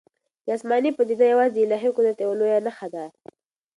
دا آسماني پدیده یوازې د الهي قدرت یوه لویه نښه ده.